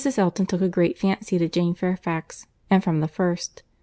Elton took a great fancy to Jane Fairfax; and from the first.